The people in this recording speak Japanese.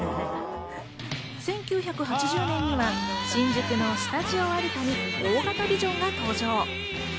１９８０年には新宿のスタジオアルタに大型ビジョンが登場。